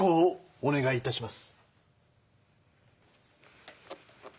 お願いいたします。